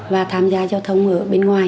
và tham gia giao thông ở bên ngoài